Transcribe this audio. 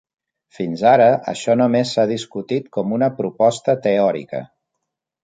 Fins ara, això només s'ha discutit com una proposta teòrica.